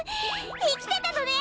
いきてたのね！